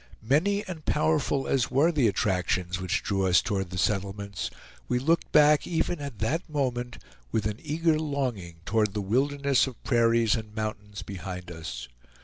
Many and powerful as were the attractions which drew us toward the settlements, we looked back even at that moment with an eager longing toward the wilderness of prairies and mountains behind us.